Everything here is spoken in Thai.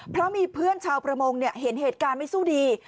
เพราะมีเพื่อนชาวประมงเห็นเหตุการณ์ไม่สู้ดี